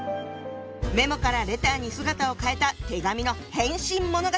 「メモ」から「レター」に姿を変えた手紙の変身物語